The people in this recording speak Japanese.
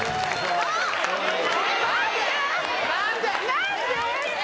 何で！？